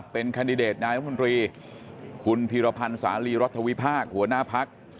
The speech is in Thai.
เป็นแคนดิเดตนายรัฐมนตรีคุณพีรพันธ์สาลีรัฐวิพากษ์หัวหน้าพัก